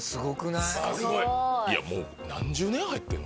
いやもう何十年入ってんの。